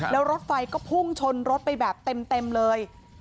แล้วรถไฟก็พุ่งชนรถไปแบบเต็มเลย